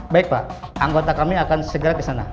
baik pak anggota kami akan segera ke sana